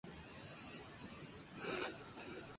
Esta estructura es muy estable.